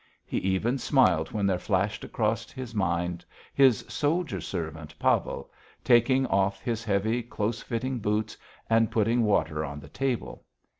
He even smiled when there flashed across his mind his soldier servant Pavel, taking off his heavy, close fitting boots and putting water on the table.